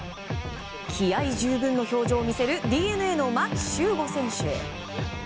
気合十分の表情を見せるＤｅＮＡの牧秀悟選手。